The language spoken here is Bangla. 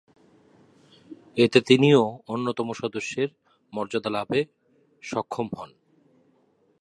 এতে তিনিও অন্যতম সদস্যের মর্যাদা লাভে সক্ষম হন।